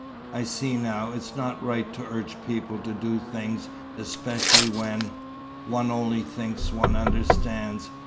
I see now, it's not right to urge people to do things, especially when one only thinks one understands.